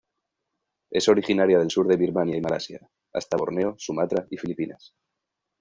Es originaria del sur de Birmania y Malasia, hasta Borneo, Sumatra y Filipinas.